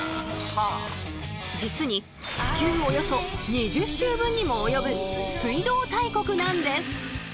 実に地球およそ２０周分にも及ぶ水道大国なんです。